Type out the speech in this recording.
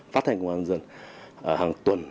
phát hành công an dân hàng tuần